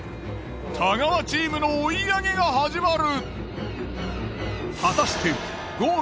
太川チームの追い上げが始まる。